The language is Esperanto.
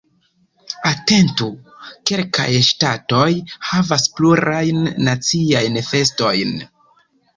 Atentu: Kelkaj ŝtatoj havas plurajn naciajn festojn.